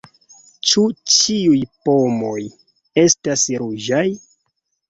Ĉu ĉiuj pomoj estas ruĝaj?